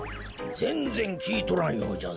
ぜんぜんきいとらんようじゃぞ。